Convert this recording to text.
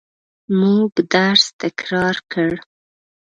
موږ درس تکرار کړ.